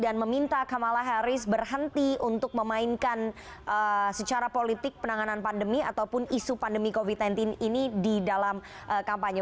dan meminta kemala haris berhenti untuk memainkan secara politik penanganan pandemi ataupun isu pandemi covid sembilan belas ini di dalam kampanye